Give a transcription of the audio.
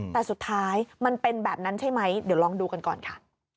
แต่สุดท้ายมันเป็นแบบนั้นใช่ไหมเดี๋ยวลองดูกันก่อนค่ะ